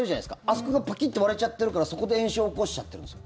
あそこがパキッて割れちゃってるからそこで炎症を起こしちゃってるんです。